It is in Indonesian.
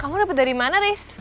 kamu dapat dari mana res